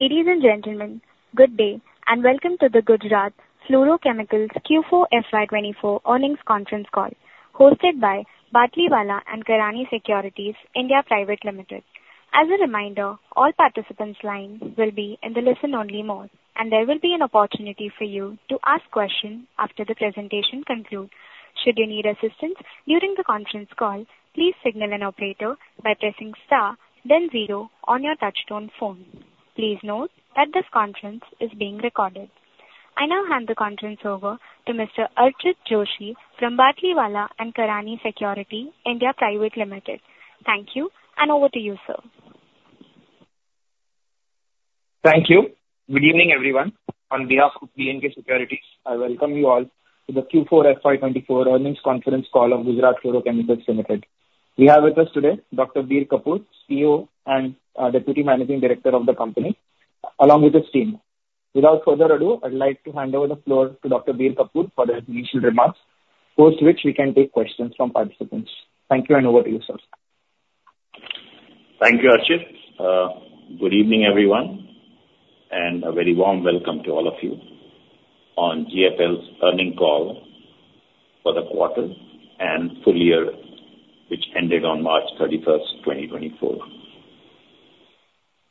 Ladies and gentlemen, good day, and welcome to the Gujarat Fluorochemicals Q4 FY 2024 earnings conference call, hosted by Batlivala & Karani Securities India Private Limited. As a reminder, all participants' lines will be in the listen-only mode, and there will be an opportunity for you to ask questions after the presentation concludes. Should you need assistance during the conference call, please signal an operator by pressing star then zero on your touchtone phone. Please note that this conference is being recorded. I now hand the conference over to Mr. Archit Joshi from Batlivala & Karani Securities India Private Limited. Thank you, and over to you, sir. Thank you. Good evening, everyone. On behalf of BNK Securities, I welcome you all to the Q4 FY 2024 earnings conference call of Gujarat Fluorochemicals Limited. We have with us today Dr. Bir Kapoor, CEO and Deputy Managing Director of the company, along with his team. Without further ado, I'd like to hand over the floor to Dr. Bir Kapoor for his initial remarks, post which we can take questions from participants. Thank you, and over to you, sir. Thank you, Archit. Good evening, everyone, and a very warm welcome to all of you on GFL's earnings call for the quarter and full year, which ended on March 31, 2024.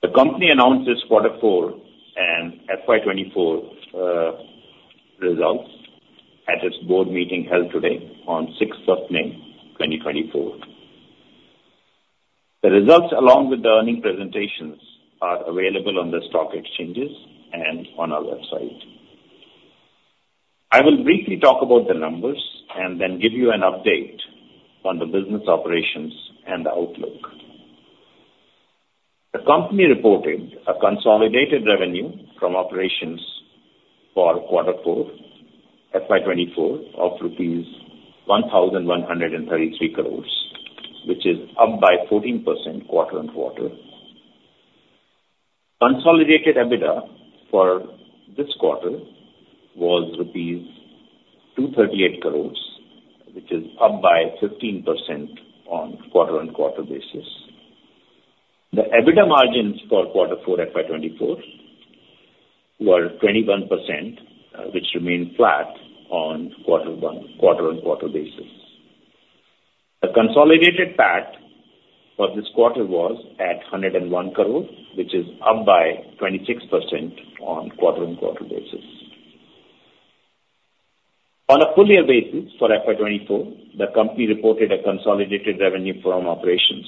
The company announced its Q4 and FY 2024 results at its board meeting held today on May 6, 2024. The results, along with the earnings presentations, are available on the stock exchanges and on our website. I will briefly talk about the numbers and then give you an update on the business operations and outlook. The company reported a consolidated revenue from operations for Q4, FY 2024, of rupees 1,133 crore, which is up by 14% quarter-on-quarter. Consolidated EBITDA for this quarter was rupees 238 crore, which is up by 15% on quarter-on-quarter basis. The EBITDA margins for Q4, FY 2024, were 21%, which remained flat on Q1, quarter-on-quarter basis. The consolidated PAT for this quarter was at 101 crore, which is up by 26% on quarter-on-quarter basis. On a full year basis for FY 2024, the company reported a consolidated revenue from operations,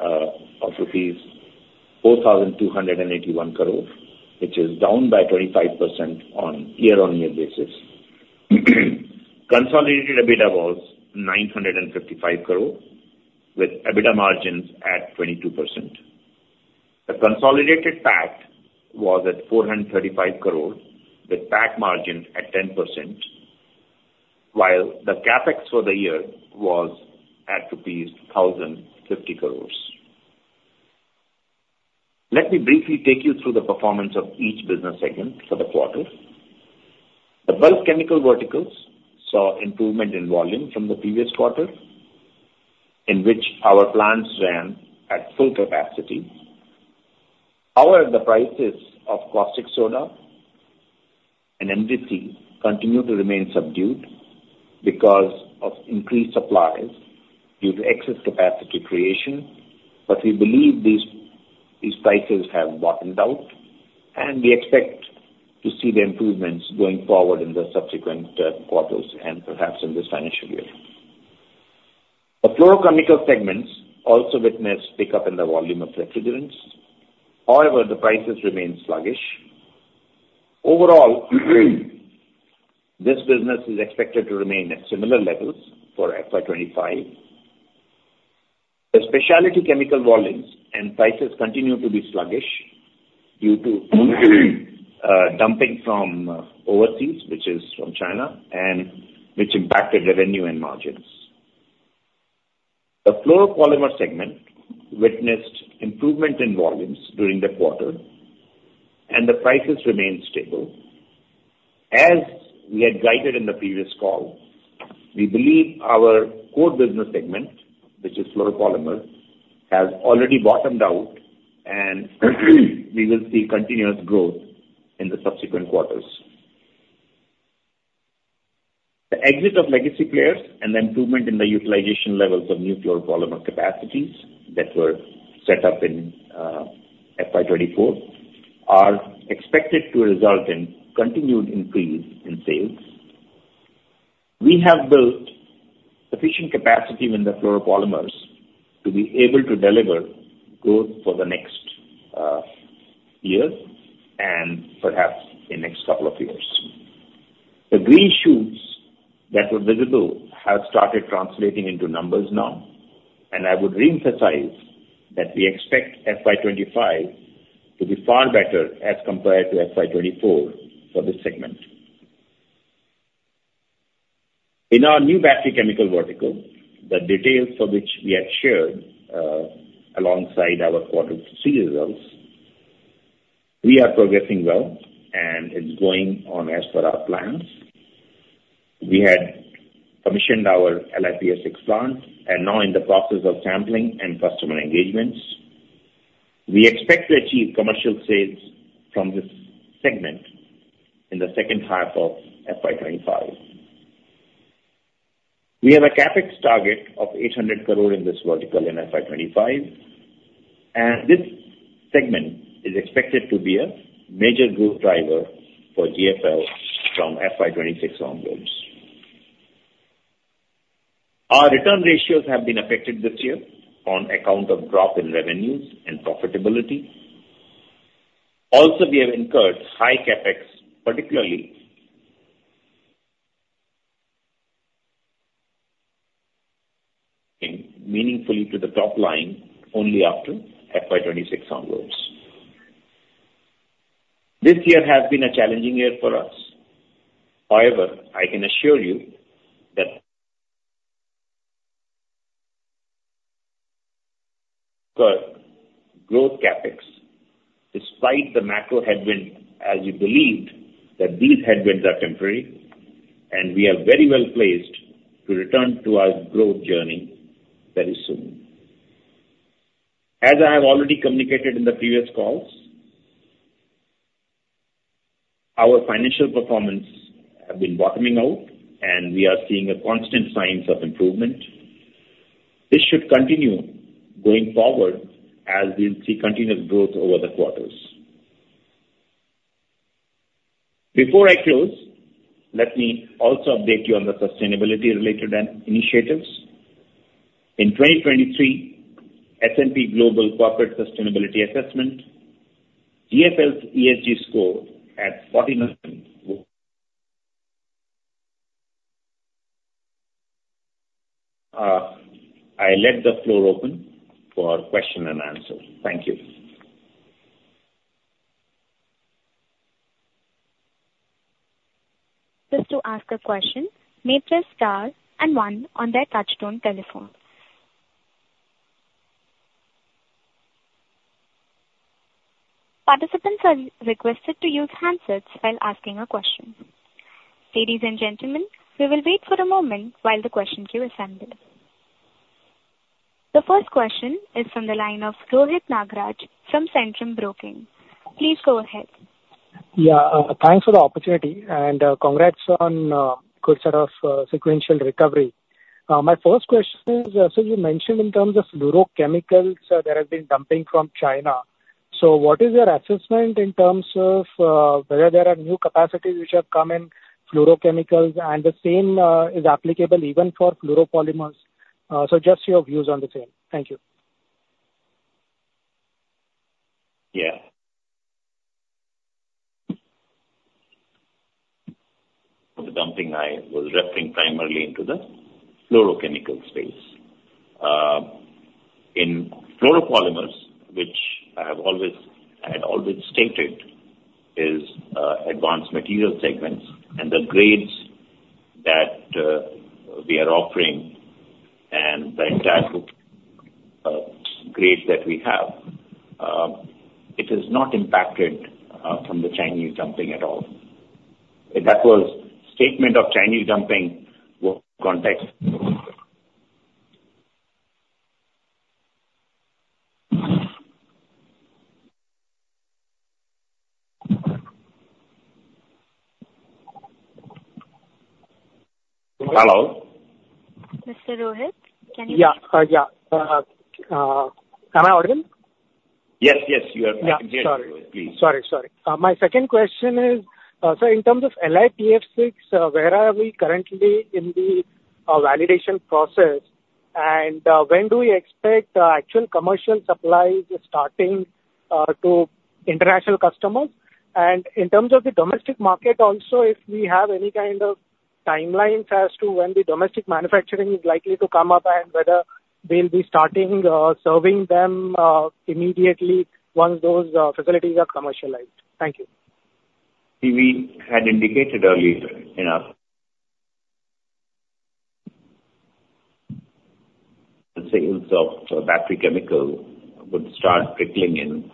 of rupees 4,281 crore, which is down by 25% on year-on-year basis. Consolidated EBITDA was 955 crore, with EBITDA margins at 22%. The consolidated PAT was at 435 crore, with PAT margins at 10%, while the CapEx for the year was at rupees 1,050 crore. Let me briefly take you through the performance of each business segment for the quarter. The bulk chemical verticals saw improvement in volume from the previous quarter, in which our plants ran at full capacity. However, the prices of caustic soda and VCM continued to remain subdued because of increased supplies due to excess capacity creation. But we believe these, these cycles have bottomed out, and we expect to see the improvements going forward in the subsequent quarters and perhaps in this financial year. The fluorochemical segments also witnessed pickup in the volume of refrigerants. However, the prices remained sluggish. Overall, this business is expected to remain at similar levels for FY 2025. The specialty chemical volumes and prices continued to be sluggish due to dumping from overseas, which is from China, and which impacted revenue and margins. The fluoropolymer segment witnessed improvement in volumes during the quarter, and the prices remained stable. As we had guided in the previous call, we believe our core business segment, which is fluoropolymers, has already bottomed out, and we will see continuous growth in the subsequent quarters. The exit of legacy players and the improvement in the utilization levels of new fluoropolymer capacities that were set up in FY 2024, are expected to result in continued increase in sales. We have built sufficient capacity in the fluoropolymers to be able to deliver growth for the next year and perhaps the next couple of years. The green shoots that were visible have started translating into numbers now, and I would reemphasize that we expect FY 2025 to be far better as compared to FY 2024 for this segment. In our new battery chemical vertical, the details for which we had shared, alongside our quarter three results, we are progressing well, and it's going on as per our plans. We had commissioned our LiPF6 plant and now in the process of sampling and customer engagements. We expect to achieve commercial sales from this segment in the second half of FY 2025. We have a CapEx target of 800 crore in this vertical in FY 2025, and this segment is expected to be a major growth driver for GFL from FY 2026 onwards. Our return ratios have been affected this year on account of drop in revenues and profitability. Also, we have incurred high CapEx, particularly in meaningfully to the top line only after FY 2026 onwards. This year has been a challenging year for us. However, I can assure you that growth CapEx, despite the macro headwind, as we believed, that these headwinds are temporary, and we are very well placed to return to our growth journey very soon. As I have already communicated in the previous calls, our financial performance have been bottoming out, and we are seeing a constant signs of improvement. This should continue going forward as we'll see continuous growth over the quarters. Before I close, let me also update you on the sustainability related initiatives. In 2023, S&P Global Corporate Sustainability Assessment, GFL's ESG score at 49. I let the floor open for question and answer. Thank you. Just to ask a question, press star and one on their touchtone telephone. Participants are requested to use handsets while asking a question. Ladies and gentlemen, we will wait for a moment while the question queue is handled. The first question is from the line of Rohit Nagraj from Centrum Broking. Please go ahead. Yeah, thanks for the opportunity, and, congrats on good set of sequential recovery. My first question is, as you mentioned, in terms of fluorochemicals, there has been dumping from China. So what is your assessment in terms of whether there are new capacities which have come in fluorochemicals, and the same is applicable even for fluoropolymers? So just your views on the same. Thank you. Yeah. The dumping, I was referring primarily to the fluorochemical space. In fluoropolymers, which I have always, I had always stated, is advanced material segments and the grades that we are offering and the entire grades that we have, it is not impacted from the Chinese dumping at all. That was statement of Chinese dumping context. Hello? Mr. Rohit, can you- Yeah. Yeah. Am I audible? Yes, yes, you are. I can hear you. Yeah. Sorry. Please. Sorry, sorry. My second question is, so in terms of LiPF6, where are we currently in the validation process? And when do we expect actual commercial supplies starting to international customers? And in terms of the domestic market also, if we have any kind of timelines as to when the domestic manufacturing is likely to come up and whether they'll be starting serving them immediately once those facilities are commercialized. Thank you. We had indicated earlier in our sales of battery chemical would start trickling in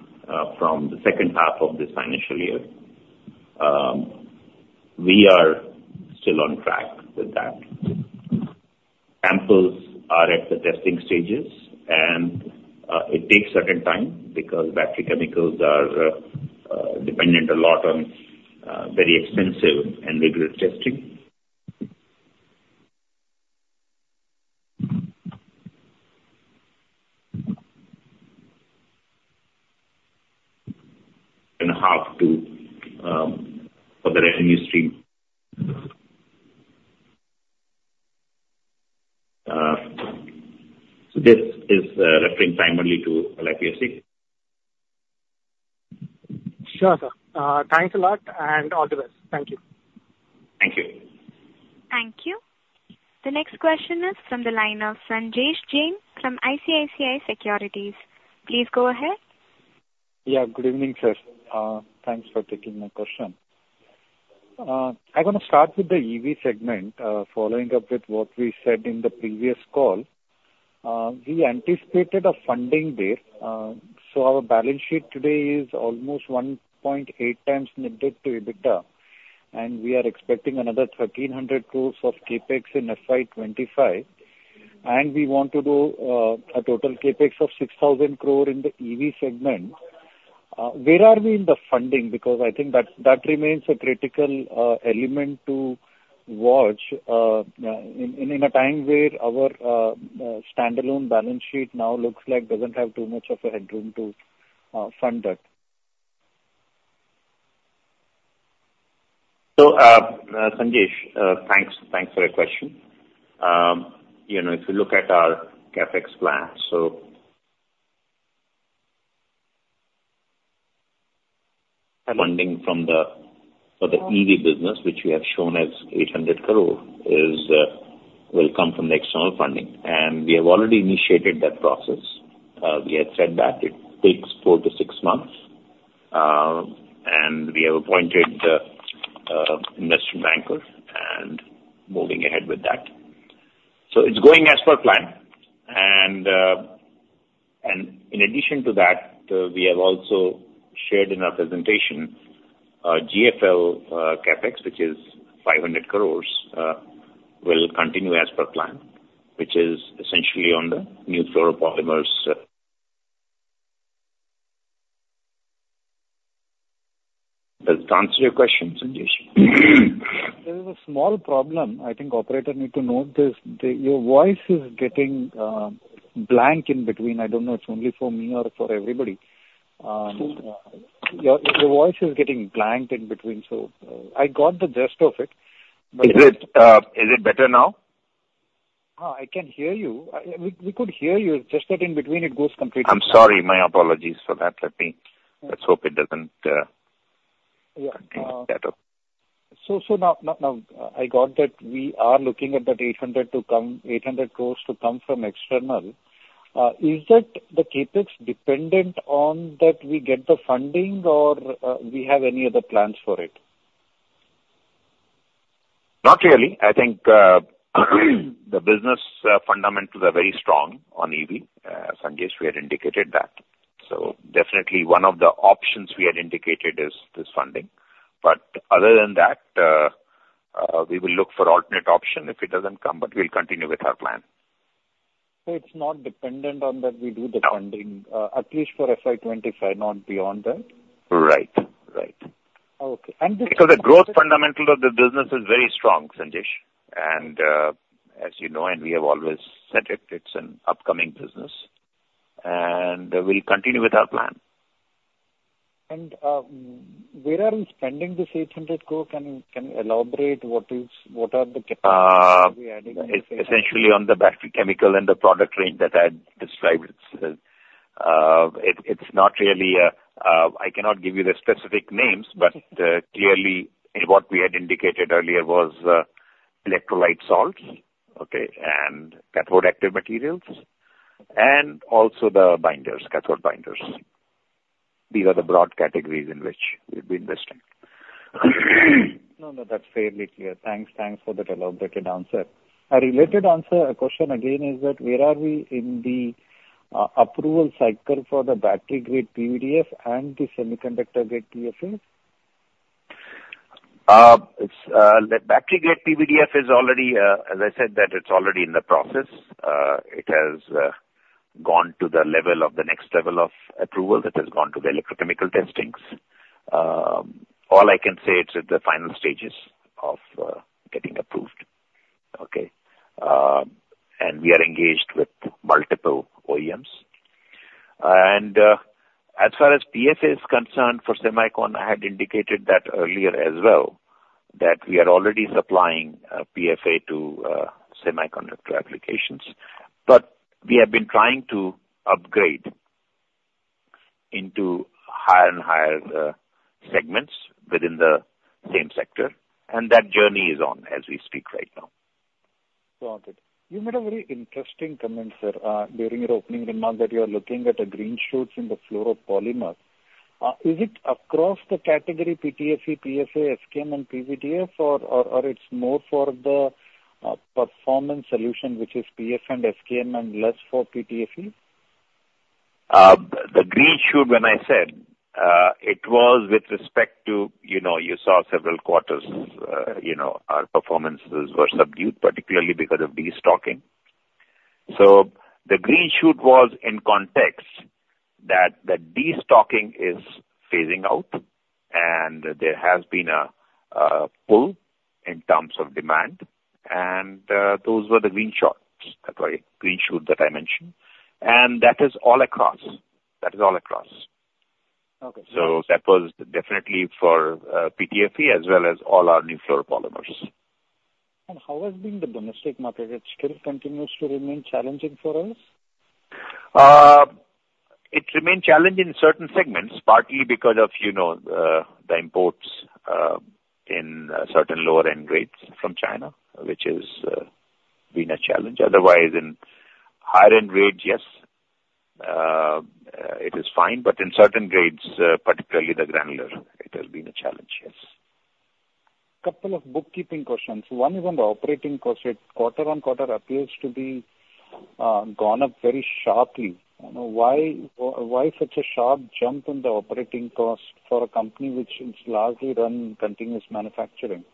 from the second half of this financial year. We are still on track with that. Samples are at the testing stages, and it takes certain time because battery chemicals are dependent a lot on very extensive and rigorous testing. And a half to for the revenue stream. So this is referring primarily to LiPF6. Sure, sir. Thanks a lot, and all the best. Thank you. Thank you. Thank you. The next question is from the line of Sanjesh Jain from ICICI Securities. Please go ahead. Yeah, good evening, sir. Thanks for taking my question. I want to start with the EV segment, following up with what we said in the previous call. We anticipated a funding there. So our balance sheet today is almost 1.8 times net debt to EBITDA, and we are expecting another 1,300 crore of CapEx in FY 2025, and we want to do a total CapEx of 6,000 crore in the EV segment. Where are we in the funding? Because I think that remains a critical element to watch, in a time where our standalone balance sheet now looks like doesn't have too much of a headroom to fund that. So, Sanjesh, thanks for your question. You know, if you look at our CapEx plan, so funding for the EV business, which we have shown as 800 crore, is will come from the external funding, and we have already initiated that process. We had said that it takes four-six months, and we have appointed investment bankers and moving ahead with that. So it's going as per plan. And in addition to that, we have also shared in our presentation, GFL CapEx, which is 500 crore, will continue as per plan, which is essentially on the new fluoropolymers. Does it answer your question, Sanjesh? There is a small problem. I think operator need to note this, the, your voice is getting blank in between. I don't know it's only for me or for everybody. So your, your voice is getting blanked in between, so, I got the gist of it, but- Is it better now? I can hear you. We could hear you. Just that in between it goes completely blank. I'm sorry. My apologies for that. Let me... Let's hope it doesn't, Yeah. Continue with that off. I got that we are looking at that 800 crore to come, 800 crore to come from external. Is it the CapEx dependent on that we get the funding or, we have any other plans for it? Not really. I think, the business, fundamentals are very strong on EV. Sanjesh, we had indicated that. So definitely one of the options we had indicated is this funding, but other than that, we will look for alternate option if it doesn't come, but we'll continue with our plan. It's not dependent on that we do the funding- No. at least for FY 2025, not beyond that? Right. Right. Okay, and this- Because the growth fundamental of the business is very strong, Sanjesh, and, as you know, and we have always said it, it's an upcoming business, and we'll continue with our plan. Where are we spending this 800 crore? Can you, can you elaborate what is, what are the? It's essentially on the battery chemical and the product range that I had described. It's not really a, I cannot give you the specific names, but clearly, what we had indicated earlier was electrolyte salts, okay, and cathode active materials, and also the binders, cathode binders. These are the broad categories in which we've been investing. No, no, that's fairly clear. Thanks. Thanks for that elaborated answer. A related answer, question again, is that where are we in the approval cycle for the battery-grade PVDF and the semiconductor-grade PFA? It's the battery-grade PVDF is already, as I said, that it's already in the process. It has gone to the level of the next level of approval. It has gone to the electrochemical testings. All I can say, it's at the final stages of getting approved. Okay? And we are engaged with multiple OEMs. And as far as PFA is concerned, for semicon, I had indicated that earlier as well, that we are already supplying PFA to semiconductor applications. But we have been trying to upgrade into higher and higher segments within the same sector, and that journey is on as we speak right now. Got it. You made a very interesting comment, sir, during your opening remarks, that you are looking at the green shoots in the fluoropolymers. Is it across the category PTFE, PFA, FKM and PVDF or, or, or it's more for the, performance solution, which is PF and FKM and less for PTFE? The green shoot, when I said, it was with respect to, you know, you saw several quarters, you know, our performances were subdued, particularly because of destocking. So the green shoot was in context that the destocking is phasing out, and there has been a pull in terms of demand, and those were the green shoots, sorry, green shoot that I mentioned. And that is all across. That is all across. Okay. That was definitely for PTFE as well as all our new fluoropolymers. How has been the domestic market? It still continues to remain challenging for us? It remained challenging in certain segments, partly because of, you know, the imports in certain lower end grades from China, which has been a challenge. Otherwise, in higher end grades, yes... is fine, but in certain grades, particularly the granular, it has been a challenge. Yes. Couple of bookkeeping questions. One is on the operating cost. Quarter-on-quarter appears to be gone up very sharply. I know why, why such a sharp jump in the operating cost for a company which is largely run continuous manufacturing?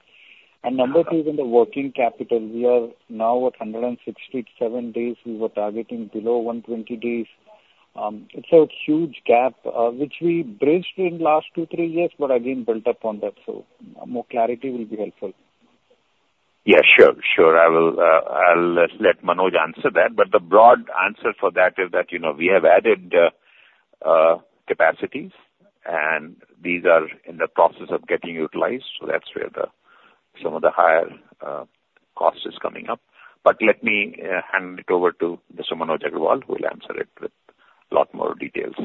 And number two, in the working capital, we are now at 167 days. We were targeting below 120 days. It's a huge gap, which we bridged in last two, three years, but again, built up on that, so more clarity will be helpful. Yeah, sure, sure. I will, I'll let Manoj answer that, but the broad answer for that is that, you know, we have added capacities, and these are in the process of getting utilized. So that's where some of the higher cost is coming up. But let me hand it over to Mr. Manoj Agrawal, who will answer it with a lot more details.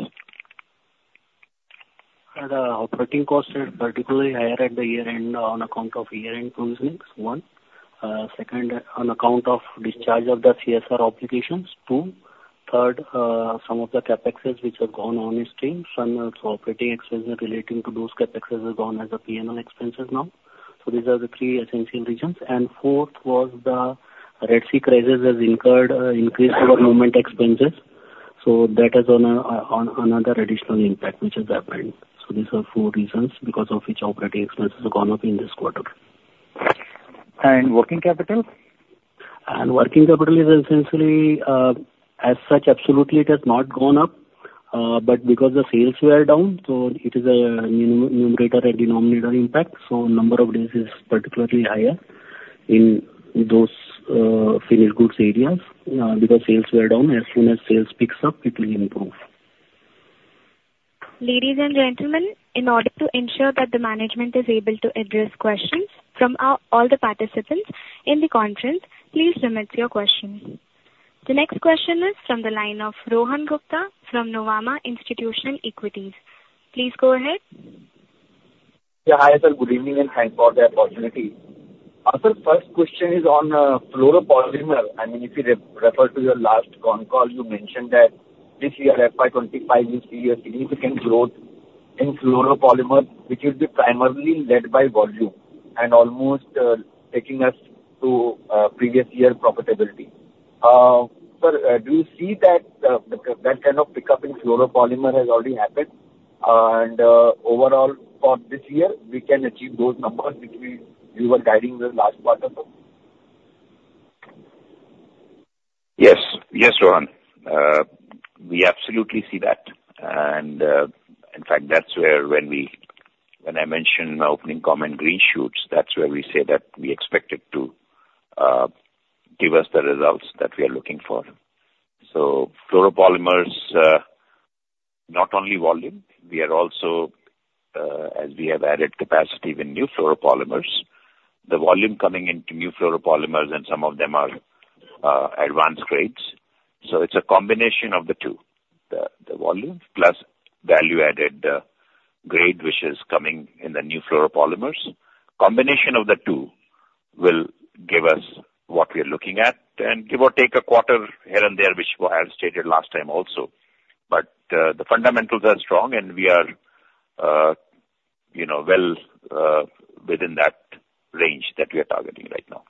Operating costs are particularly higher at the year-end on account of year-end closings, one Second, on account of discharge of the CSR obligations, two third, some of the CapExes which have gone on stream, some operating expenses relating to those CapExes have gone as a PNL expenses now. So these are the three essential reasons. Fourth was the Red Sea crisis has incurred increased our movement expenses. So that is on another additional impact which has happened. So these are four reasons because of which operating expenses have gone up in this quarter. Working capital? Working capital is essentially, as such, absolutely it has not gone up, but because the sales were down, so it is a numerator and denominator impact, so number of days is particularly higher in those finished goods areas, because sales were down. As soon as sales picks up, it will improve. Ladies and gentlemen, in order to ensure that the management is able to address questions from our—all the participants in the conference, please limit your questions. The next question is from the line of Rohan Gupta from Nuvama Institutional Equities. Please go ahead. Yeah. Hi, sir. Good evening, and thanks for the opportunity. Our first question is on fluoropolymer. I mean, if you refer to your last conf call, you mentioned that this year, FY 2025, you see a significant growth in fluoropolymer, which will be primarily led by volume and almost taking us to previous year profitability. Sir, do you see that that kind of pickup in fluoropolymer has already happened? And overall, for this year, we can achieve those numbers which you were guiding the last quarter, so. Yes. Yes, Rohan. We absolutely see that. And, in fact, that's where, when I mentioned opening comment, green shoots, that's where we say that we expect it to give us the results that we are looking for. So fluoropolymers, not only volume, we are also, as we have added capacity with new fluoropolymers, the volume coming into new fluoropolymers, and some of them are advanced grades. So it's a combination of the two, the volume plus value-added grade, which is coming in the new fluoropolymers. Combination of the two will give us what we are looking at and give or take a quarter here and there, which I have stated last time also. But the fundamentals are strong, and we are, you know, well, within that range that we are targeting right now.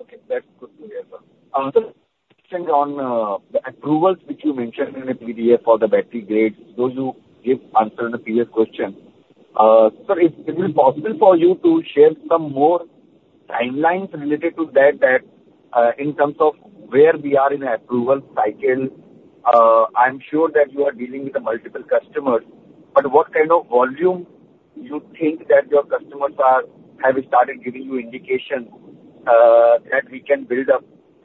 Okay, that's good to hear, sir. Another question on the approvals, which you mentioned in a PVDF for the battery grade, those who give answer in the PFA question. Sir, is it possible for you to share some more timelines related to that, that in terms of where we are in the approval cycle? I'm sure that you are dealing with the multiple customers, but what kind of volume you think that your customers are, have started giving you indication that we can build up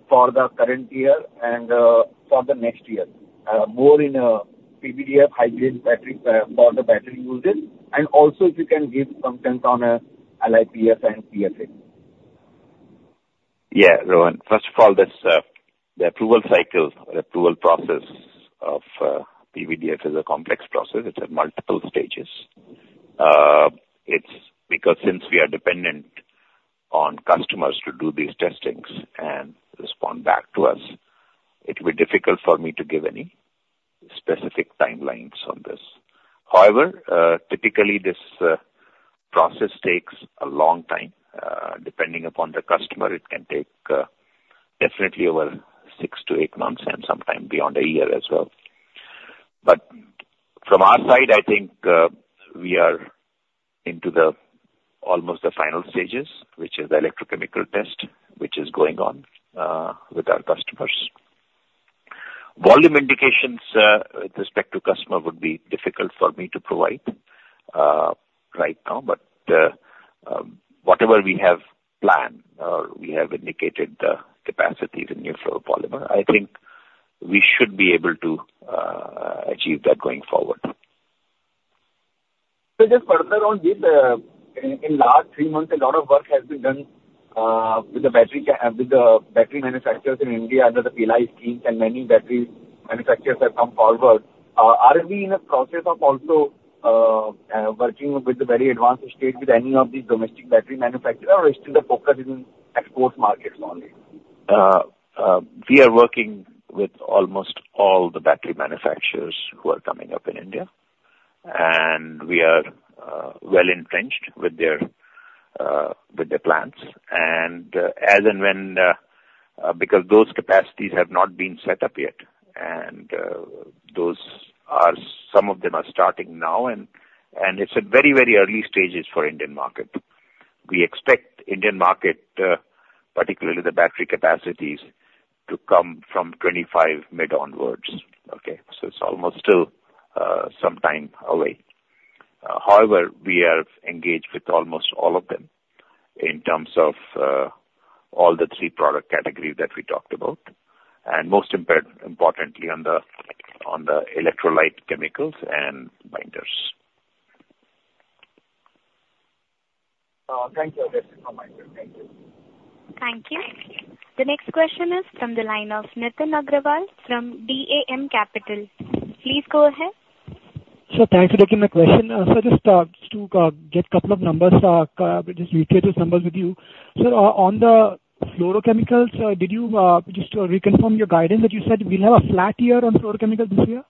for the current year and for the next year? More in PVDF hybrid battery for the battery usage, and also if you can give some sense on LiPF6 and PFA. Yeah, Rohan. First of all, this, the approval cycle, the approval process of PVDF is a complex process. It's at multiple stages. It's because since we are dependent on customers to do these testings and respond back to us, it will be difficult for me to give any specific timelines on this. However, typically this process takes a long time. Depending upon the customer, it can take definitely over 6-8 months and sometime beyond a year as well. But from our side, I think we are into the almost the final stages, which is the electrochemical test, which is going on with our customers. Volume indications with respect to customer would be difficult for me to provide right now, but whatever we have planned, we have indicated the capacities in new fluoropolymer. I think we should be able to achieve that going forward. So just further on this, in the last three months, a lot of work has been done with the battery manufacturers in India under the PLI scheme, and many battery manufacturers have come forward. Are we in a process of also working with the very advanced stage with any of these domestic battery manufacturers, or still the focus is in export markets only?... We are working with almost all the battery manufacturers who are coming up in India, and we are well entrenched with their plans. As and when, because those capacities have not been set up yet, and those are—some of them are starting now, and it's at very, very early stages for Indian market. We expect Indian market, particularly the battery capacities, to come from mid-2025 onwards, okay? So it's almost still some time away. However, we are engaged with almost all of them in terms of all the three product categories that we talked about, and most importantly on the electrolyte chemicals and binders. Thank you again for joining. Thank you. Thank you. The next question is from the line of Nitin Agarwal from DAM Capital. Please go ahead. Sir, thanks for taking my question. Sir, just to get a couple of numbers, just reiterate those numbers with you. Sir, on the fluorochemicals, did you just reconfirm your guidance that you said we'll have a flat year on fluorochemical this year?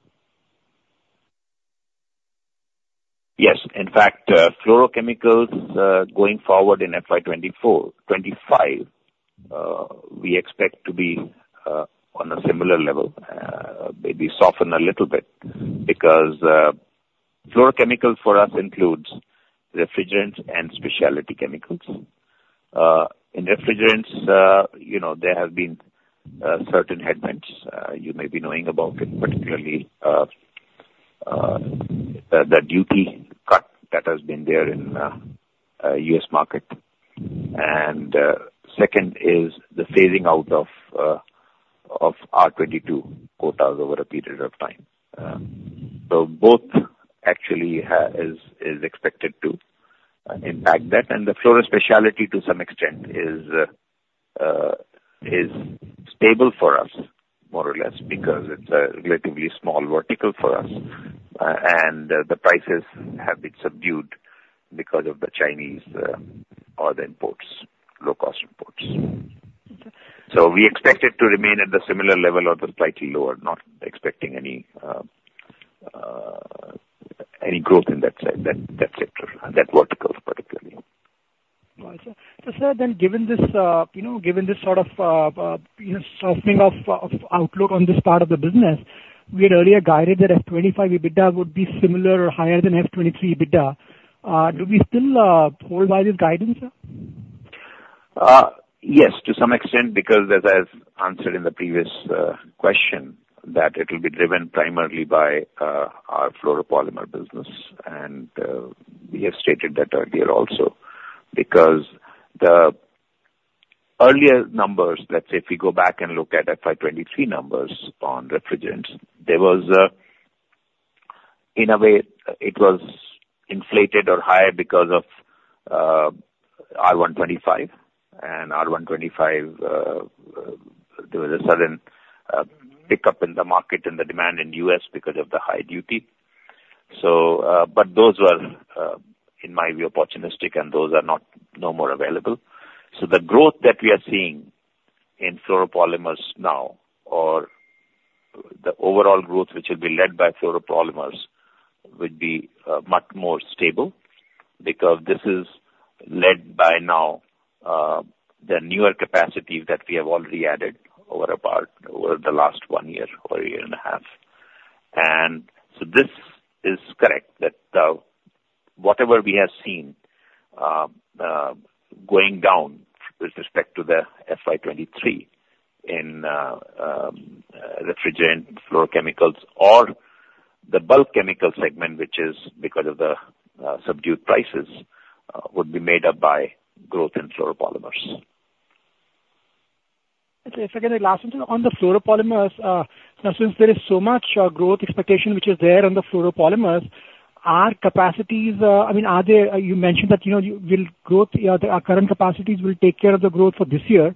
Yes. In fact, fluorochemicals, going forward in FY 2024-2025, we expect to be on a similar level, maybe soften a little bit, because fluorochemicals for us includes refrigerants and specialty chemicals. In refrigerants, you know, there have been certain headwinds. You may be knowing about it, particularly the duty cut that has been there in U.S. market. Second is the phasing out of R-22 quotas over a period of time. So both actually is expected to impact that, and the fluoro-specialties to some extent is stable for us more or less, because it's a relatively small vertical for us. And the prices have been subdued because of the Chinese other imports, low-cost imports. So we expect it to remain at the similar level or slightly lower, not expecting any growth in that sector, that verticals particularly. Got it. So, sir, then given this, you know, given this sort of, softening of outlook on this part of the business, we had earlier guided that F 25 EBITDA would be similar or higher than F 23 EBITDA. Do we still hold by this guidance, sir? Yes, to some extent, because as I've answered in the previous question, that it will be driven primarily by our fluoropolymer business, and we have stated that earlier also. Because the earlier numbers, let's say, if we go back and look at FY 2023 numbers on refrigerants, there was a... In a way, it was inflated or higher because of R-125. And R-125, there was a sudden pickup in the market and the demand in U.S. because of the high duty. So, but those were, in my view, opportunistic, and those are not no more available. So the growth that we are seeing in fluoropolymers now, or the overall growth which will be led by fluoropolymers, would be much more stable, because this is led by now the newer capacities that we have already added over about, over the last one year or a year and a half. And so this is correct, that whatever we have seen going down with respect to the FY 2023 in refrigerant fluorochemicals or the bulk chemical segment, which is because of the subdued prices, would be made up by growth in fluoropolymers. Okay. If I can ask last one, on the fluoropolymers, now, since there is so much, growth expectation which is there on the fluoropolymers, are capacities, I mean, are they- You mentioned that, you know, you, will growth, our current capacities will take care of the growth for this year.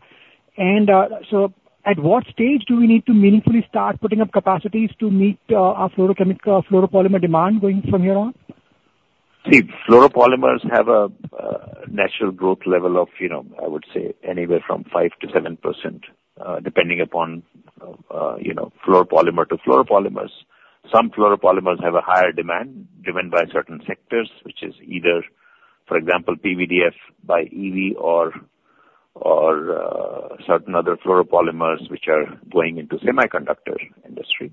And, so at what stage do we need to meaningfully start putting up capacities to meet, our fluorochemical, fluoropolymer demand going from here on? See, fluoropolymers have a natural growth level of, you know, I would say anywhere from 5%-7%, depending upon, you know, fluoropolymer to fluoropolymers. Some fluoropolymers have a higher demand driven by certain sectors, which is either, for example, PVDF by EV or, or, certain other fluoropolymers which are going into semiconductor industry.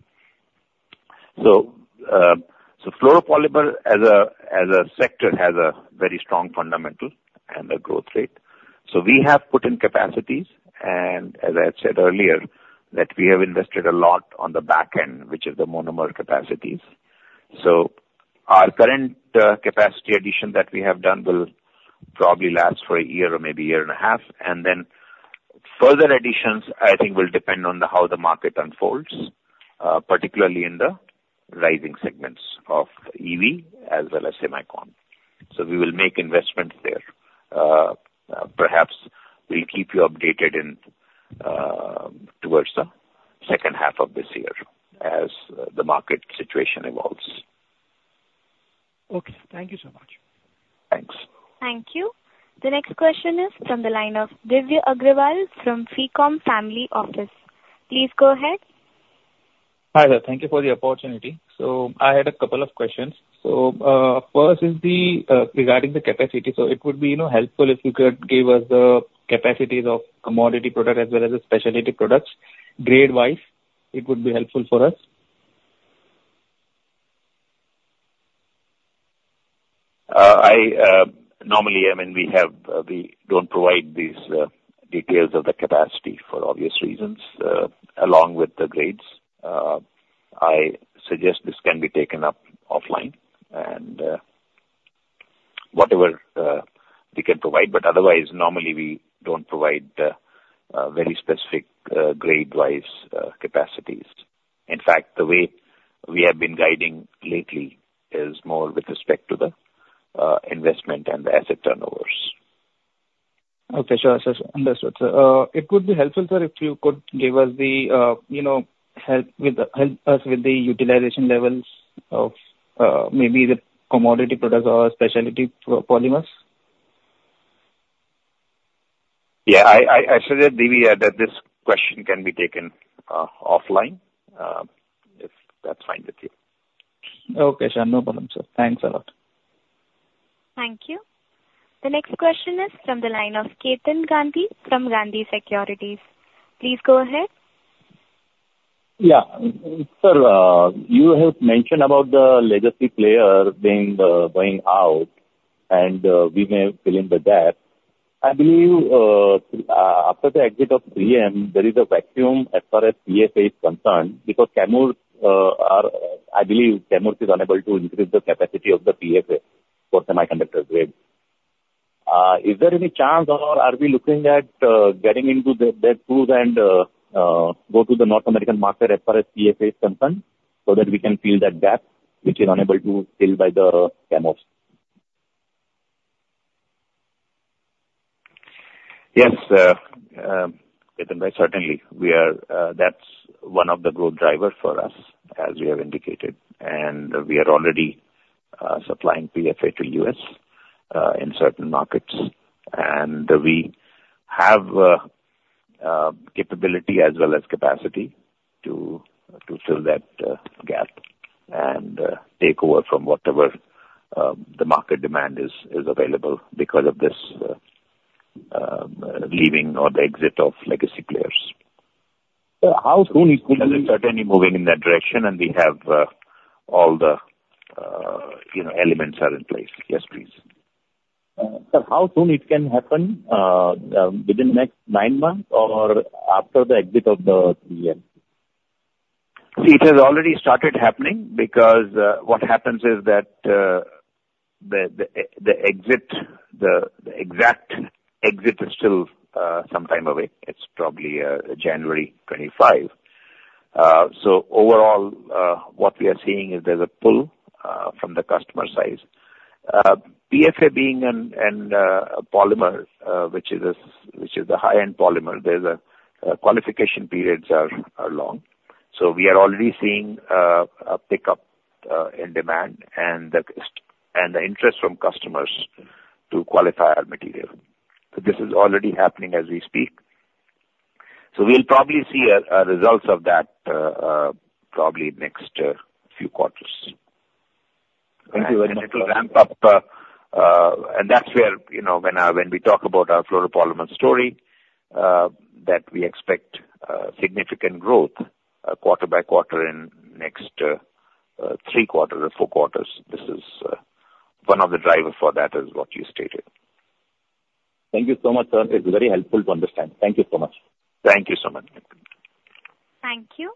So, so fluoropolymer as a, as a sector, has a very strong fundamental and a growth rate. So we have put in capacities, and as I said earlier, that we have invested a lot on the back end, which is the monomer capacities. So our current capacity addition that we have done will probably last for a year or maybe a year and a half, and then further additions, I think, will depend on the how the market unfolds, particularly in the rising segments of EV as well as semicon. So we will make investments there. Perhaps we'll keep you updated in towards the second half of this year as the market situation evolves.... Okay, thank you so much. Thanks. Thank you. The next question is from the line of Divya Agrawal from Frecom Family Office. Please go ahead. Hi there. Thank you for the opportunity. I had a couple of questions. First is the one regarding the capacity. It would be, you know, helpful if you could give us the capacities of commodity product as well as the specialty products. Grade-wise, it would be helpful for us. Normally, I mean, we don't provide these details of the capacity for obvious reasons, along with the grades. I suggest this can be taken up offline, and whatever we can provide, but otherwise, normally we don't provide a very specific grade-wise capacities. In fact, the way we have been guiding lately is more with respect to the investment and the asset turnovers. Okay, sure. Understood, sir. It would be helpful, sir, if you could give us the, you know, help with, help us with the utilization levels of, maybe the commodity products or specialty fluoropolymers. Yeah, I suggest, Divya, that this question can be taken offline, if that's fine with you. Okay, sure. No problem, sir. Thanks a lot. Thank you. The next question is from the line of Ketan Gandhi from Gandhi Securities. Please go ahead. Yeah. Sir, you have mentioned about the legacy player being going out, and we may fill in the gap. I believe, after the exit of 3M, there is a vacuum as far as PFA is concerned, because Chemours are... I believe Chemours is unable to increase the capacity of the PFA for semiconductor grade. Is there any chance or are we looking at getting into that pool and go to the North American market as far as PFA is concerned, so that we can fill that gap, which is unable to fill by the Chemours? Yes, Ketan, certainly. We are, that's one of the growth drivers for us, as we have indicated, and we are already supplying PFA to the U.S. in certain markets. And we have capability as well as capacity to fill that gap and take over from whatever the market demand is available because of this leaving or the exit of legacy players. Sir, how soon it could be- We're certainly moving in that direction, and we have, all the, you know, elements are in place. Yes, please. Sir, how soon it can happen within next nine months or after the exit of the 3M? It has already started happening, because what happens is that the exit, the exact exit is still some time away. It's probably January 2025. So overall, what we are seeing is there's a pull from the customer side. PFA being a polymer which is a high-end polymer, qualification periods are long. So we are already seeing a pickup in demand and the interest from customers to qualify our material. So this is already happening as we speak. So we'll probably see results of that probably next few quarters. Thank you very much. It will ramp up, and that's where, you know, when we talk about our fluoropolymer story, that we expect significant growth quarter by quarter in next three quarters or four quarters. This is one of the drivers for that is what you stated. Thank you so much, sir. It's very helpful to understand. Thank you so much. Thank you so much. Thank you.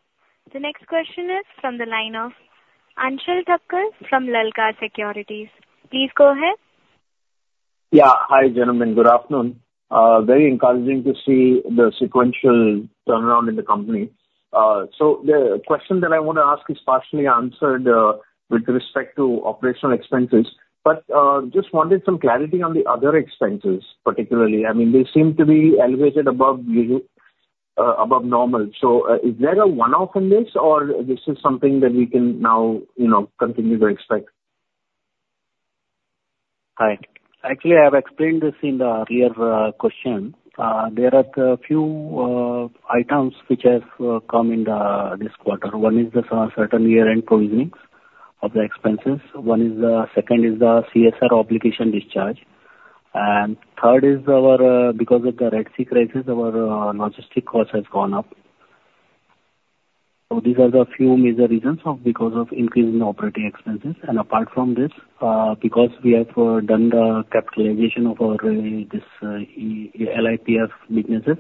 The next question is from the line of Anshul Thakkar from Lalkar Securities. Please go ahead. Yeah. Hi, gentlemen. Good afternoon. Very encouraging to see the sequential turnaround in the company. So the question that I want to ask is partially answered with respect to operational expenses, but just wanted some clarity on the other expenses, particularly. I mean, they seem to be elevated above the normal. So is there a one-off in this, or this is something that we can now, you know, continue to expect? Hi. Actually, I have explained this in the earlier question. There are a few items which have come in... this quarter. One is the certain year-end provisionings of the expenses. One is the, second is the CSR obligation discharge. And third is our, because of the Red Sea crisis, our logistic cost has gone up. So these are the few major reasons of because of increase in operating expenses. And apart from this, because we have done the capitalization of our, this, LiPF6 businesses,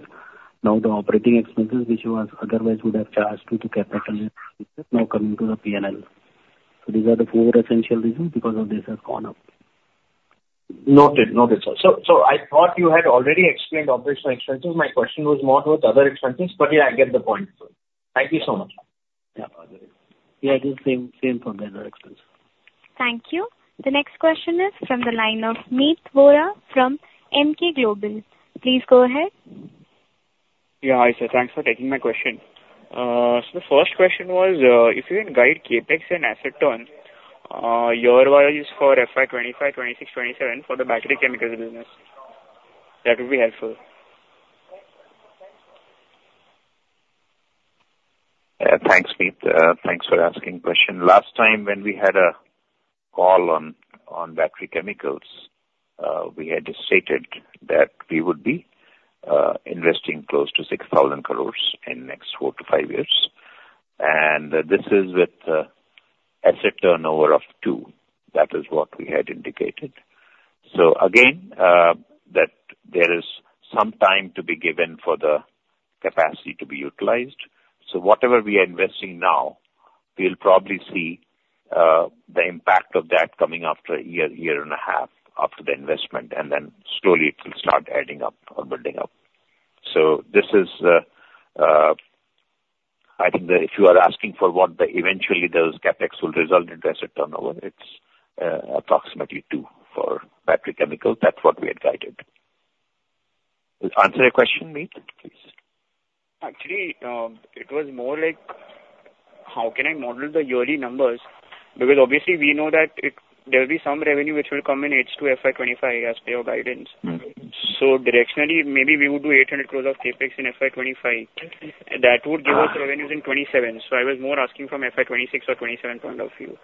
now the operating expenses, which was otherwise would have charged to the capital, is now coming to the PNL. So these are the four essential reasons, because of this has gone up. Noted. Noted, sir. So, I thought you had already explained operational expenses. My question was more towards other expenses, but, yeah, I get the point. Thank you so much. Yeah. Yeah, it is same, same from the other expense. Thank you. The next question is from the line of Meet Vora from Emkay Global. Please go ahead.... Yeah, hi, sir. Thanks for taking my question. The first question was, if you can guide CapEx and asset turn, year-wise for FY 2025, 2026, 2027 for the battery chemicals business. That would be helpful. Thanks, Meet. Thanks for asking question. Last time when we had a call on battery chemicals, we had stated that we would be investing close to 6,000 crore in next four to five years. And this is with asset turnover of two. That is what we had indicated. So again, that there is some time to be given for the capacity to be utilized. So whatever we are investing now, we'll probably see the impact of that coming after a year, year and a half after the investment, and then slowly it will start adding up or building up. So this is, I think that if you are asking for what eventually those CapEx will result in asset turnover, it's approximately 2 for battery chemicals. That's what we had guided. Does it answer your question, Meet? Actually, it was more like, how can I model the yearly numbers? Because obviously we know that it-- there will be some revenue which will come in H2 FY 2025, as per your guidance. Mm-hmm. Directionally, maybe we would do 800 crore of CapEx in FY 2025. That would give us revenues in 2027. So I was more asking from FY 2026 or 2027 point of view.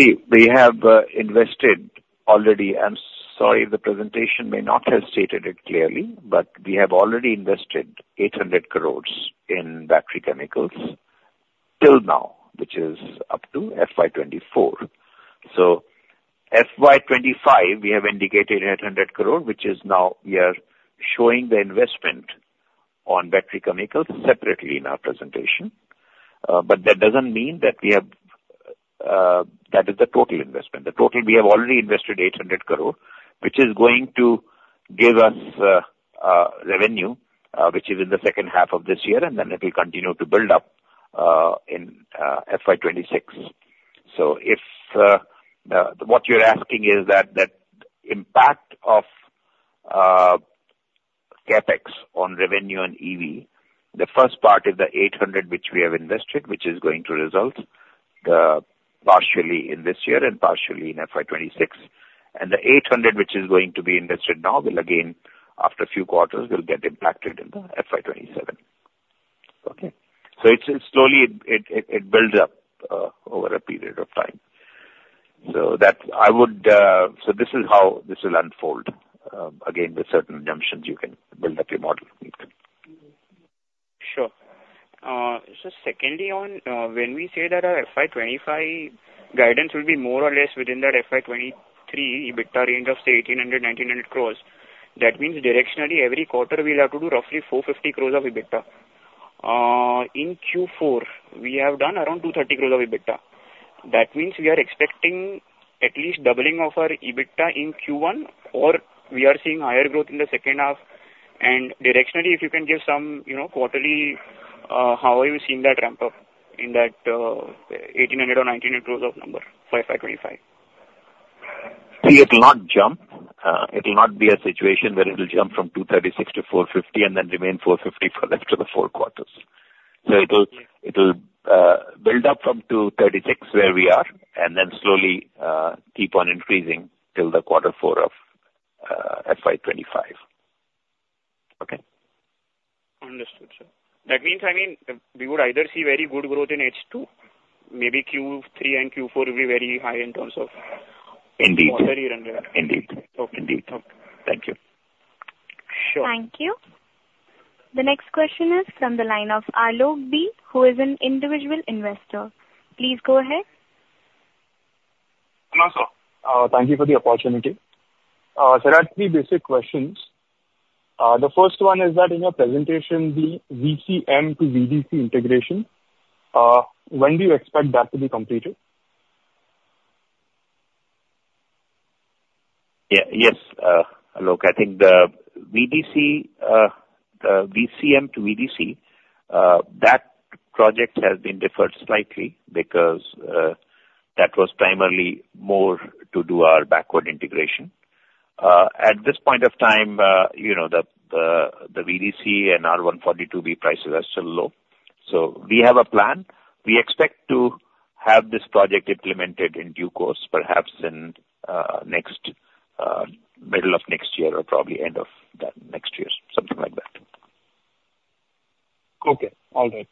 See, we have invested already. I'm sorry the presentation may not have stated it clearly, but we have already invested 800 crore in battery chemicals till now, which is up to FY 2024. So FY 2025, we have indicated 800 crore, which is now we are showing the investment on battery chemicals separately in our presentation. But that doesn't mean that we have that is the total investment. The total, we have already invested 800 crore, which is going to give us revenue which is in the second half of this year, and then it will continue to build up in FY 2026. So if the... What you're asking is that impact of CapEx on revenue and EV. The first part is the 800, which we have invested, which is going to result partially in this year and partially in FY 2026. And the 800, which is going to be invested now, will again, after a few quarters, get impacted in the FY 2027. Okay? So it's slowly it builds up over a period of time. So that's— I would so this is how this will unfold. Again, with certain assumptions, you can build up your model. Sure. So secondly on, when we say that our FY 2025 guidance will be more or less within that FY 2023 EBITDA range of, say, 1,800-1,900 crores, that means directionally, every quarter we'll have to do roughly 450 crores of EBITDA. In Q4, we have done around 230 crores of EBITDA. That means we are expecting at least doubling of our EBITDA in Q1, or we are seeing higher growth in the second half. And directionally, if you can give some, you know, quarterly, how are you seeing that ramp up in that, eighteen hundred or nineteen hundred crores of number for FY 2025? See, it'll not jump. It'll not be a situation where it'll jump from 236-450 and then remain 450 for rest of the four quarters. So it'll build up from 236, where we are, and then slowly keep on increasing till the Q4 of FY 2025. Okay? Understood, sir. That means, I mean, we would either see very good growth in H2, maybe Q3 and Q4 will be very high in terms of- Indeed. -quarterly revenue. Indeed. Okay. Indeed. Thank you. Sure. Thank you. The next question is from the line of Alok B, who is an individual investor. Please go ahead. Hello, sir. Thank you for the opportunity. There are three basic questions. The first one is that in your presentation, the VCM to VDC integration, when do you expect that to be completed? Yeah. Yes, Alok. I think the VDC, VCM to VDC, that project has been deferred slightly because, that was primarily more to do our backward integration. At this point of time, you know, the VDC and R-142b prices are still low. So we have a plan. We expect to have this project implemented in due course, perhaps in next, middle of next year or probably end of the next year, something like that. Okay, all right.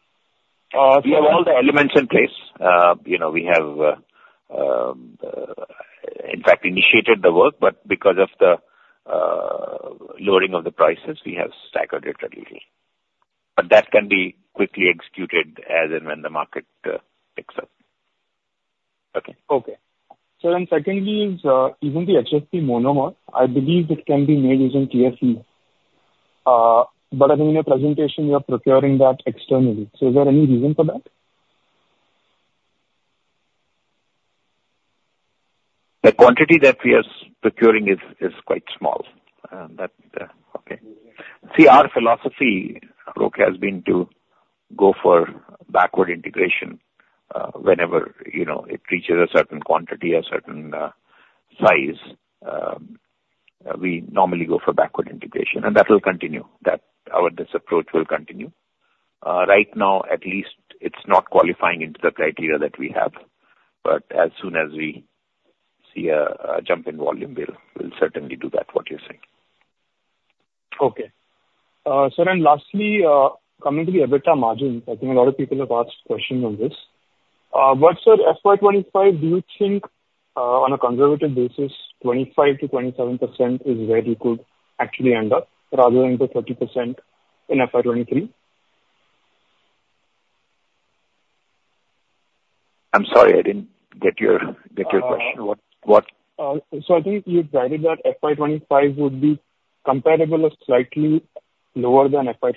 We have all the elements in place. You know, we have, in fact, initiated the work, but because of the lowering of the prices, we have staggered it a little. But that can be quickly executed as and when the market picks up. Okay. Okay. So then secondly is, even the HFP monomer, I believe it can be made using TFE, but I think in your presentation you are procuring that externally. So is there any reason for that? The quantity that we are procuring is quite small, and that, okay. See, our philosophy, Alok, has been to go for backward integration, whenever, you know, it reaches a certain quantity, a certain size. We normally go for backward integration, and that will continue. That, our, this approach will continue. Right now, at least it's not qualifying into the criteria that we have, but as soon as we see a jump in volume, we'll certainly do that, what you're saying. Okay. Sir, and lastly, coming to the EBITDA margin, I think a lot of people have asked questions on this. But sir, FY 2025, do you think, on a conservative basis, 25%-27% is where you could actually end up, rather than the 30% in FY 2023? I'm sorry, I didn't get your question. What? What? I think you guided that FY 2025 would be comparable or slightly lower than FY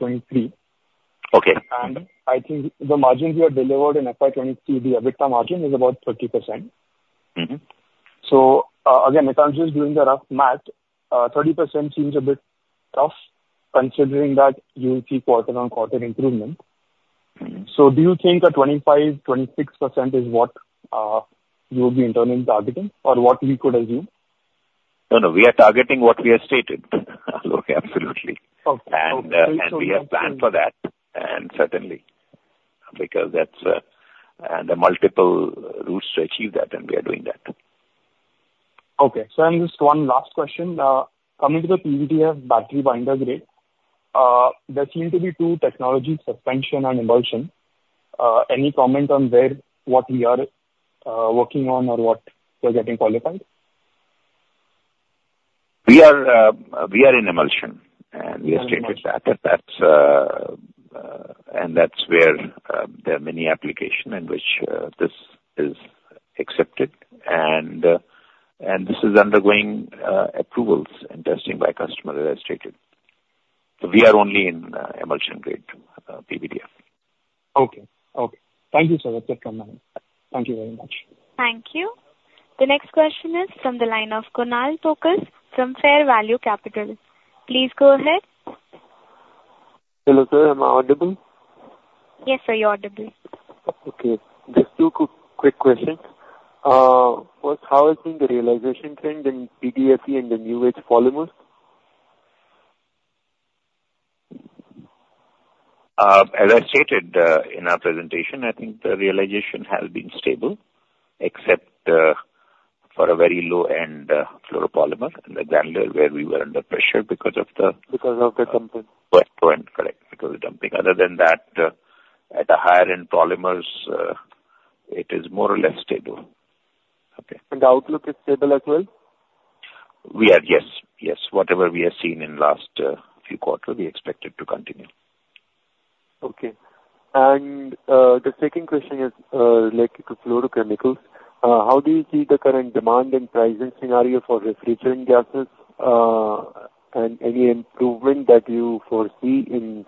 2023. Okay. I think the margins you have delivered in FY 2023, the EBITDA margin is about 30%. Mm-hmm. Again, I'm just doing the rough math. 30% seems a bit tough, considering that you see quarter-on-quarter improvement. Mm-hmm. So do you think that 25%-26% is what you'll be internally targeting, or what we could assume? No, no, we are targeting what we have stated. Okay, absolutely. Okay. We have planned for that, and certainly, because that's and the multiple routes to achieve that, and we are doing that. Okay. So, just one last question, coming to the PVDF battery binder grade, there seem to be two technologies, suspension and emulsion. Any comment on where, what we are working on or what we are getting qualified? We are, we are in emulsion, and we have stated that. Emulsion. That's, and that's where there are many application in which this is accepted, and, and this is undergoing approvals and testing by customer, as I stated. So we are only in emulsion grade PVDF. Okay. Okay. Thank you, sir. That's just from my end. Thank you very much. Thank you. The next question is from the line of Kunal Tokas from Fair Value Capital. Please go ahead. Hello, sir. Am I audible? Yes, sir, you're audible. Okay. Just two quick, quick questions. First, how has been the realization trend in PVDF and the new age polymers? As I stated, in our presentation, I think the realization has been stable, except for a very low-end fluoropolymer, an example where we were under pressure because of the- Because of the dumping. Correct, because of dumping. Other than that, at the higher end polymers, it is more or less stable. Okay. The outlook is stable as well? We are, yes, yes. Whatever we have seen in last few quarters, we expect it to continue. Okay. The second question is related to fluorochemicals. How do you see the current demand and pricing scenario for refrigerant gases, and any improvement that you foresee in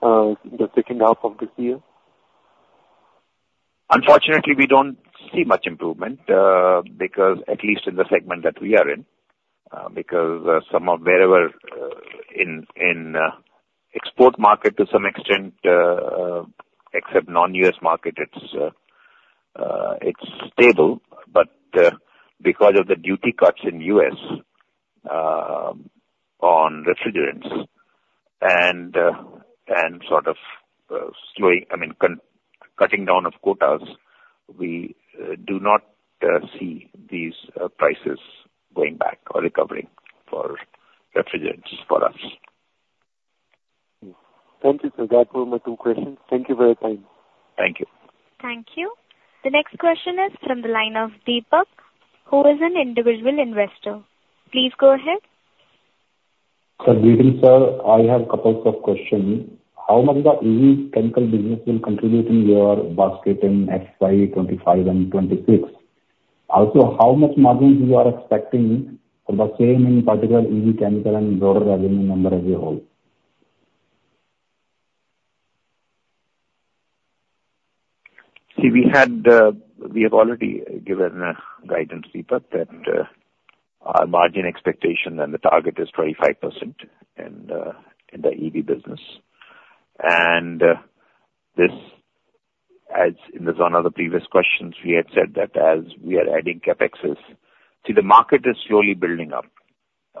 the second half of this year? Unfortunately, we don't see much improvement, because at least in the segment that we are in, because some of wherever in the export market to some extent, except non-U.S. market, it's stable. But because of the duty cuts in U.S. on refrigerants and sort of slowing, I mean, cutting down of quotas, we do not see these prices going back or recovering for refrigerants for us. Thank you, sir. That were my two questions. Thank you for your time. Thank you. Thank you. The next question is from the line of Deepak, who is an individual investor. Please go ahead. Sir, good evening sir. I have a couple of questions. How much the EV chemical business will contribute in your basket in FY 2025 and 2026? Also, how much margins you are expecting for the same, in particular, EV chemical and overall revenue number as a whole? See, we had, we have already given a guidance, Deepak, that, our margin expectation and the target is 25% in, in the EV business. And, this, as in the one of the previous questions, we had said that as we are adding CapEx... See, the market is slowly building up,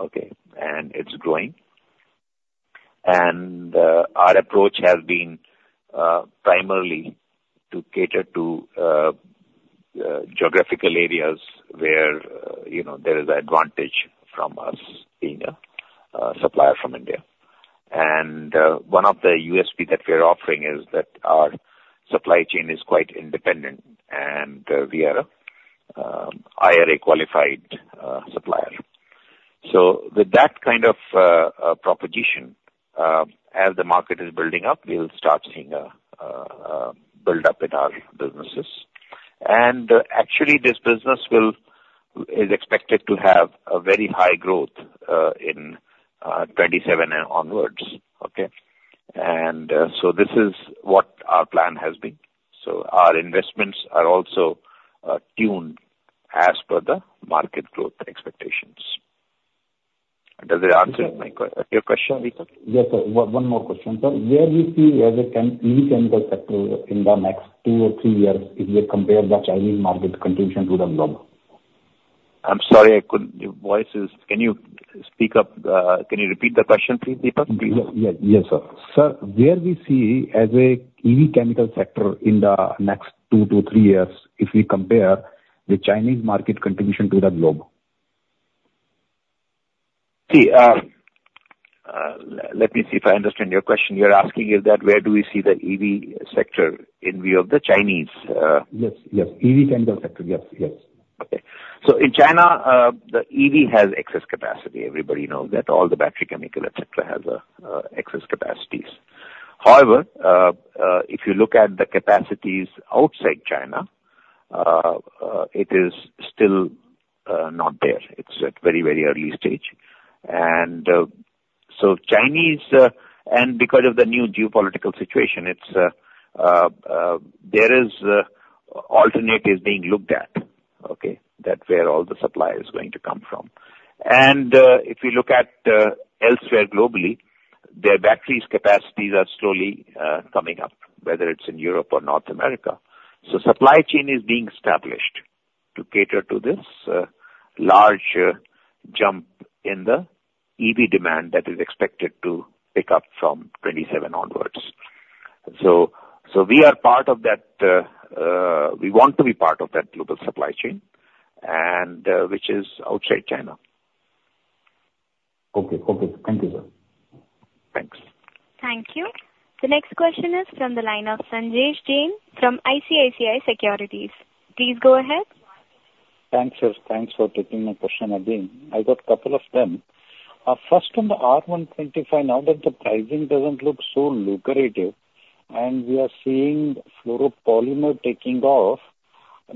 okay? And it's growing. And, our approach has been, primarily to cater to, geographical areas where, you know, there is advantage from us being a, supplier from India. And, one of the USP that we are offering is that our supply chain is quite independent, and, we are a, IRA qualified, supplier. So with that kind of, proposition, as the market is building up, we'll start seeing a, build-up in our businesses. Actually, this business will, is expected to have a very high growth in 2027 and onwards. Okay? This is what our plan has been. Our investments are also tuned as per the market growth expectations. Does it answer your question, Deepak? Yes, sir. One more question, sir. Where do you see the EV chemical sector in the next two or three years if we compare the Chinese market contribution to the world?... I'm sorry, I couldn't, your voice is. Can you speak up? Can you repeat the question, please, Deepak? Yeah. Yes, sir. Sir, where we see as a EV chemical sector in the next two to three years if we compare the Chinese market contribution to the globe? See, let me see if I understand your question. You're asking, is that where do we see the EV sector in view of the Chinese, Yes, yes. EV chemical sector. Yes, yes. Okay. So in China, the EV has excess capacity. Everybody knows that. All the battery, chemical, et cetera, has excess capacities. However, if you look at the capacities outside China, it is still not there. It's at very, very early stage. And, so Chinese, and because of the new geopolitical situation, it's there is alternate is being looked at, okay? That where all the supply is going to come from. And, if you look at elsewhere globally, their batteries capacities are slowly coming up, whether it's in Europe or North America. So supply chain is being established to cater to this large jump in the EV demand that is expected to pick up from 2027 onwards. So, we are part of that, we want to be part of that global supply chain, and which is outside China. Okay. Okay. Thank you, sir. Thanks. Thank you. The next question is from the line of Sanjesh Jain from ICICI Securities. Please go ahead. Thanks, sir. Thanks for taking my question again. I've got couple of them. First, on the R-125, now that the pricing doesn't look so lucrative and we are seeing fluoropolymer taking off,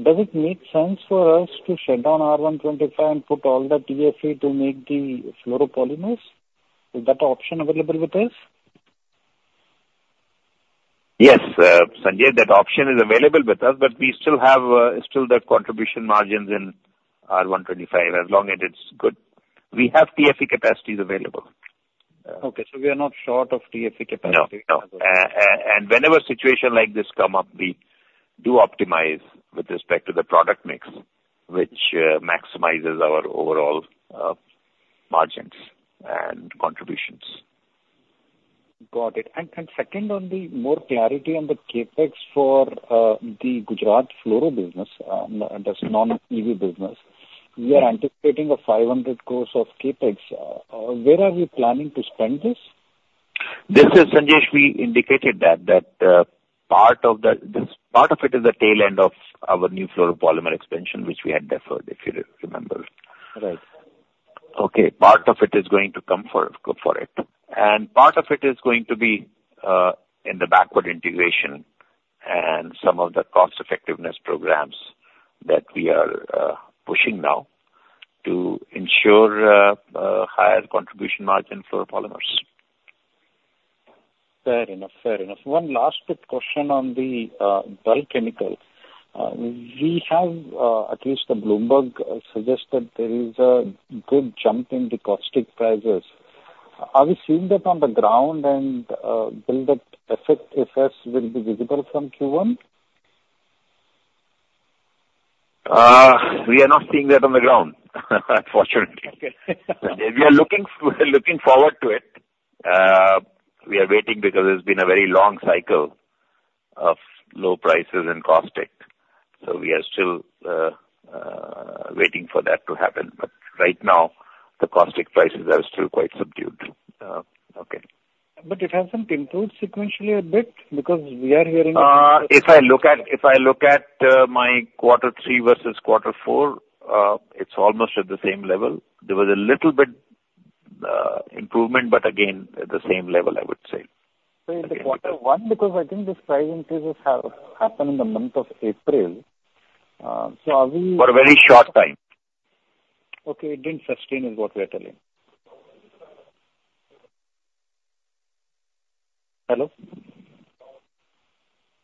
does it make sense for us to shut down R-125 and put all the TFE to make the fluoropolymers? Is that option available with us? Yes, Sanjesh, that option is available with us, but we still have, still the contribution margins in R-125, as long as it's good. We have TFE capacities available. Okay, so we are not short of TFE capacity? No, no. And whenever situation like this come up, we do optimize with respect to the product mix, which maximizes our overall margins and contributions. Got it. And second, on the more clarity on the CapEx for the Gujarat fluoro business, that's non-EV business. Yeah. We are anticipating 500 crore of CapEx. Where are we planning to spend this? This is, Sanjesh, we indicated that part of it is the tail end of our new fluoropolymer expansion, which we had deferred, if you remember. Right. Okay. Part of it is going to come for, for it. And part of it is going to be in the backward integration and some of the cost effectiveness programs that we are pushing now to ensure higher contribution margin fluoropolymers. Fair enough. Fair enough. One last quick question on the bulk chemical. We have at least the Bloomberg suggest that there is a good jump in the caustic prices. Are we seeing that on the ground and will that effect, effects will be visible from Q1? We are not seeing that on the ground, unfortunately. We are looking forward to it. We are waiting because it's been a very long cycle of low prices in caustic, so we are still waiting for that to happen. But right now, the caustic prices are still quite subdued. Okay. But it has improved sequentially a bit? Because we are hearing- If I look at my quarter three versus quarter four, it's almost at the same level. There was a little bit improvement, but again, at the same level, I would say. So in the Q1, because I think this price increases have happened in the month of April. So are we- For a very short time. Okay. It didn't sustain is what we are telling. Hello?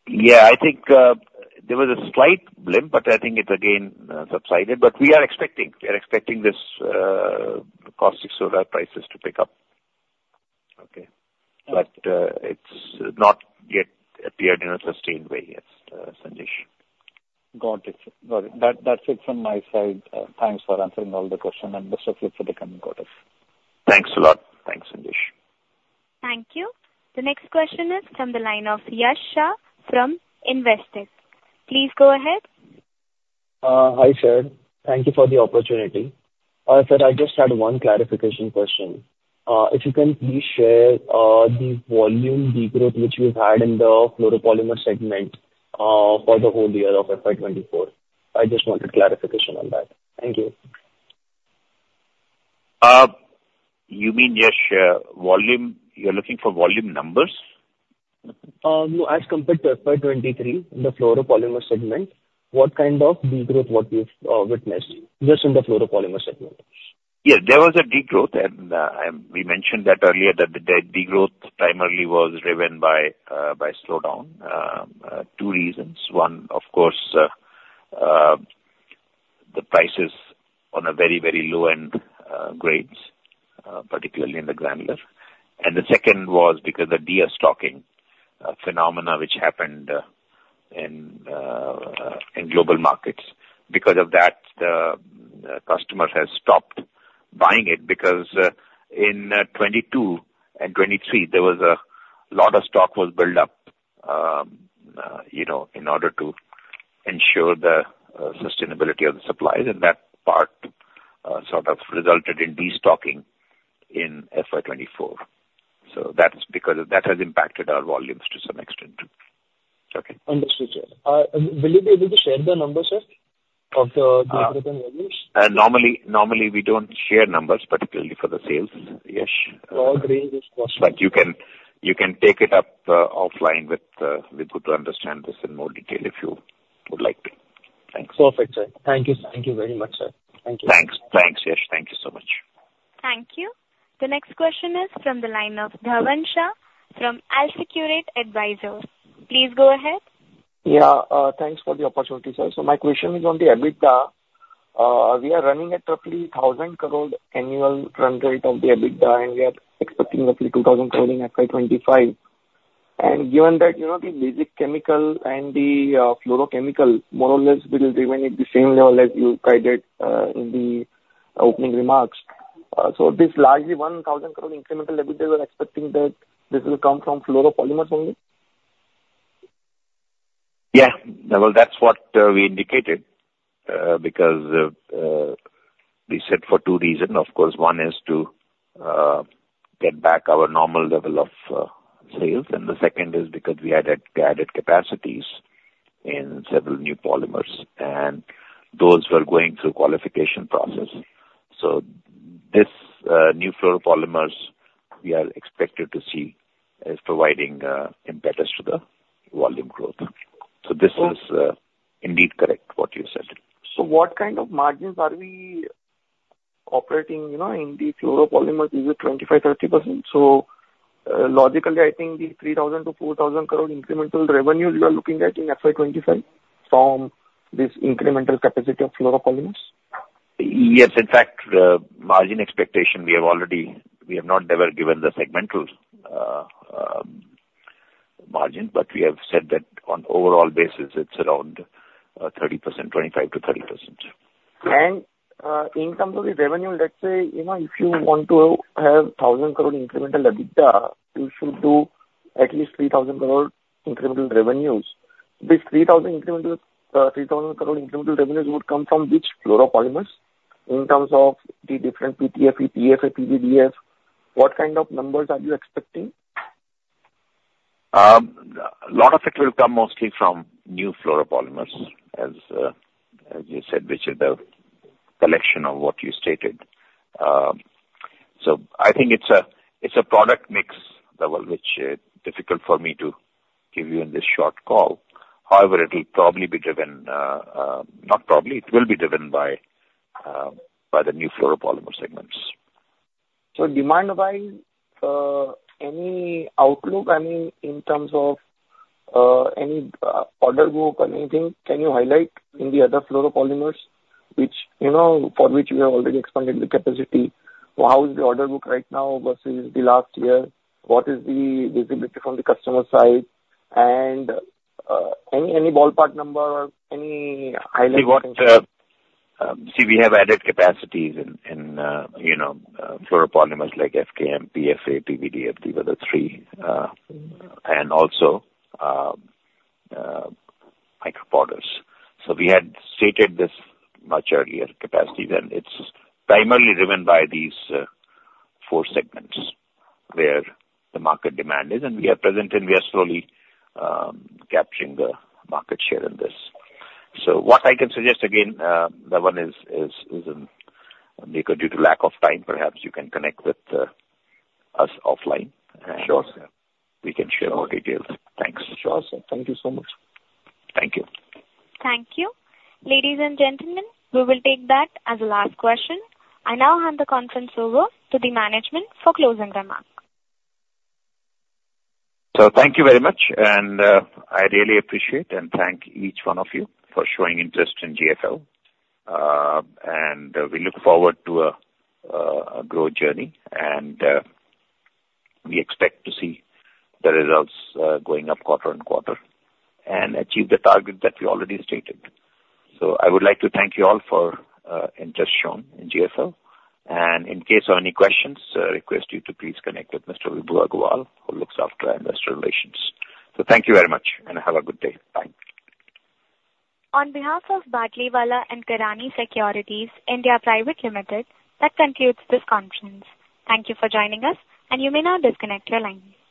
Yeah. I think there was a slight blip, but I think it again subsided. But we are expecting this caustic soda prices to pick up. Okay. But, it's not yet appeared in a sustained way yet, Sanjesh. Got it. Got it. That, that's it from my side. Thanks for answering all the question and best of luck for the coming quarters. Thanks a lot. Thanks, Sanjesh. Thank you. The next question is from the line of Yash Shah from Investec. Please go ahead. Hi, sir. Thank you for the opportunity. Sir, I just had one clarification question. If you can please share the volume degrowth which you've had in the fluoropolymer segment for the whole year of FY 2024. I just wanted clarification on that. Thank you. You mean, Yash, volume... You're looking for volume numbers? No, as compared to FY 2023, in the fluoropolymer segment, what kind of degrowth what you've witnessed, just in the fluoropolymer segment? Yes, there was a degrowth, and we mentioned that earlier, that the degrowth primarily was driven by slowdown. Two reasons. One, of course, the prices on a very, very low end grades, particularly in the granular. And the second was because the destocking phenomena which happened in global markets. Because of that, the customer has stopped buying it, because in 22 and 23, there was a lot of stock was built up, you know, in order to ensure the sustainability of the supplies, and that part sort of resulted in destocking in FY 2024. So that's because that has impacted our volumes to some extent too. Okay. Understood, sir. Will you be able to share the numbers, sir, of the volumes? Normally, normally, we don't share numbers, particularly for the sales, Yash. All agree. But you can take it up offline with Vibhu to understand this in more detail, if you would like to. Thanks. Perfect, sir. Thank you. Thank you very much, sir. Thank you. Thanks. Thanks, Yash. Thank you so much. Thank you. The next question is from the line of Dhavan Shah from AlfAccurate Advisors. Please go ahead. Yeah, thanks for the opportunity, sir. So my question is on the EBITDA. We are running at roughly 1,000 crore annual run rate of the EBITDA, and we are expecting roughly 2,000 crore in FY 2025. And given that, you know, the basic chemical and the fluorochemical, more or less, it will remain at the same level as you guided in the opening remarks. So this largely 1,000 crore incremental EBITDA, we're expecting that this will come from fluoropolymers only? Yeah. Well, that's what we indicated because we said for two reasons. Of course, one is to get back our normal level of sales, and the second is because we added capacities in several new polymers, and those were going through qualification process. So this new fluoropolymers, we are expected to see as providing impetus to the volume growth. Okay. So this is, indeed correct what you said. So what kind of margins are we operating, you know, in the fluoropolymers? Is it 25%-30%? Logically, I think the 3,000 crore-4,000 crore incremental revenue you are looking at in FY 2025 from this incremental capacity of fluoropolymers. Yes. In fact, margin expectation, we have already... We have not ever given the segmental margin, but we have said that on overall basis, it's around 30%, 25%-30%. In terms of the revenue, let's say, you know, if you want to have 1,000 crore incremental EBITDA, you should do at least 3,000 crore incremental revenues. This 3,000 incremental, 3,000 crore incremental revenues would come from which fluoropolymers, in terms of the different PTFE, PFA, PVDF, what kind of numbers are you expecting? A lot of it will come mostly from new fluoropolymers, as, as you said, which is the collection of what you stated. So I think it's a, it's a product mix level, which is difficult for me to give you in this short call. However, it'll probably be driven, not probably, it will be driven by, by the new fluoropolymer segments. So demand-wise, any outlook, I mean, in terms of, any order book or anything, can you highlight in the other fluoropolymers, which, you know, for which you have already expanded the capacity? How is the order book right now versus the last year? What is the visibility from the customer side? And, any ballpark number or any highlight you can share? See, we have added capacities in, you know, fluoropolymers like FKM, PFA, PVDF, these are the three, and also micropowders. So we had stated this much earlier, capacity, and it's primarily driven by these four segments where the market demand is, and we are present, and we are slowly capturing the market share in this. So what I can suggest again, Dhavan, is because due to lack of time perhaps you can connect with us offline. Sure, sir. We can share our details. Thanks. Sure, sir. Thank you so much. Thank you. Thank you. Ladies and gentlemen, we will take that as the last question. I now hand the conference over to the management for closing remarks. So thank you very much, and I really appreciate and thank each one of you for showing interest in GFL. And we look forward to a, a growth journey, and we expect to see the results going up quarter-on-quarter and achieve the target that we already stated. So I would like to thank you all for interest shown in GFL, and in case of any questions, I request you to please connect with Mr. Vibhu Agarwal, who looks after our investor relations. So thank you very much, and have a good day. Bye. On behalf of Batlivala & Karani Securities India Private Limited, that concludes this conference. Thank you for joining us, and you may now disconnect your line.